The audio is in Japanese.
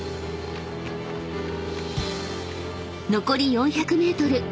［残り４００ｍ］